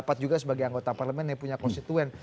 dapat juga sebagai anggota parlemen yang punya konstituen